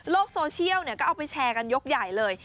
โลกโซเชียลเนี่ยก็เอาไปแชร์กันยกใหญ่เลย